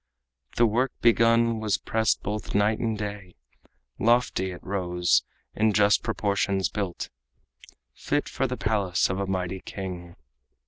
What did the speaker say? The work begun was pressed both night and day; Lofty it rose, in just proportions built, Fit for the palace of a mighty king.